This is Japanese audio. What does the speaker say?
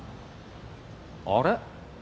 あれ？